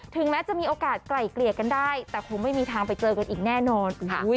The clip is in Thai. แม้จะมีโอกาสไกลเกลี่ยกันได้แต่คงไม่มีทางไปเจอกันอีกแน่นอน